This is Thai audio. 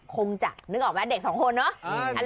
คงจะนึกออกไหมเด็กสองคนเนาะ